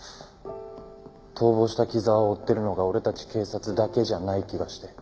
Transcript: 逃亡した木沢を追ってるのが俺たち警察だけじゃない気がして。